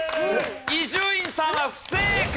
伊集院さんは不正解！